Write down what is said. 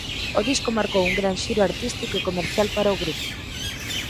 O disco marcou un gran xiro artístico e comercial para o grupo.